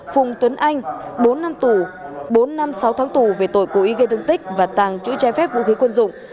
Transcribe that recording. phùng tuấn anh bốn năm tù bốn năm sáu tháng tù về tội cố ý gây thương tích và tàng chữ trái phép vũ khí quân dụng